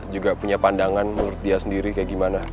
juga punya pandangan menurut dia sendiri kayak gimana